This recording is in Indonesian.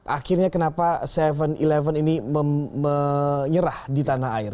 akhirnya kenapa tujuh sebelas ini menyerah di tanah air